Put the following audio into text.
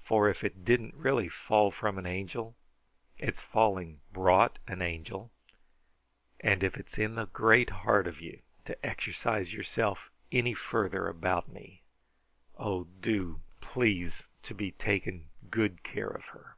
For if it didn't really fall from an angel, its falling brought an Angel, and if it's in the great heart of you to exercise yourself any further about me, oh, do please to be taking good care of her!"